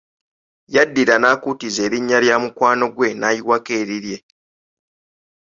Yaddira n’akuutiza erinnya lya mukwano gwe naayiwako erirye.